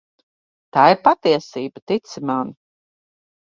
Tā ir patiesība, tici man.